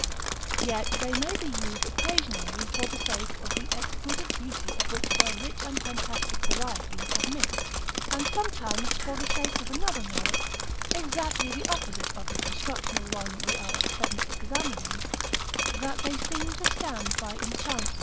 Yet they may be used occasionally for the sake of the exquisite beauty of which their rich and fantastic varieties admit, and sometimes for the sake of another merit, exactly the opposite of the constructional ones we are at present examining, that they seem to stand by enchantment.